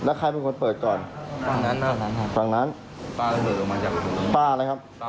โอ้โฮโดนระเบิดก่อนนะครับ